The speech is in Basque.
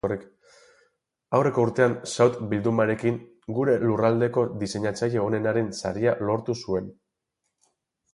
Aurreko urtean shout bildumarekin gure lurraldeko diseinatzaile onenaren saria lortu zuen.